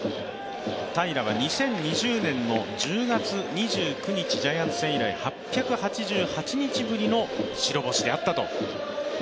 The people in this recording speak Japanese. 平良は２０２０年の１０月２９日ジャイアンツ戦以来、８８８日ぶりの白星であったと。